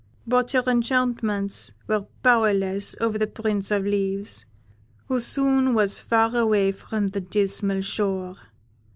But her enchantments were powerless over the Prince of Leaves, who soon was far away from the dismal shore.